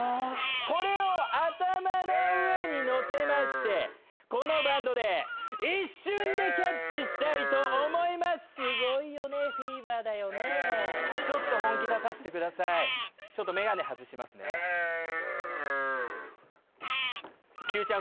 これを頭の上にのせましてこのバンドで一瞬でキャッチしたいと思いますスゴいよねフィーバーだよねちょっと本気出させてくださいちょっとメガネ外しますねＱちゃん